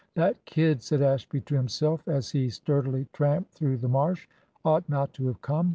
"That kid," said Ashby to himself, as he sturdily tramped through the marsh, "ought not to have come.